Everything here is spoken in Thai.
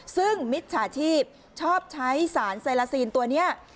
ซึ่งมิตรสาธิบชอบใช้สารไซราซีนตัวเนี่ย